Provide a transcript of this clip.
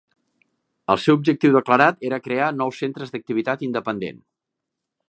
El seu objectiu declarat era crear nous centres d'activitat independent.